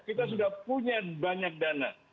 kita punya banyak dana